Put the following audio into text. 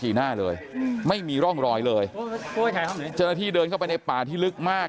หน้าเลยไม่มีร่องรอยเลยเจ้าหน้าที่เดินเข้าไปในป่าที่ลึกมาก